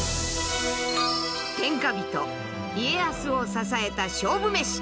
天下人家康を支えた勝負メシ！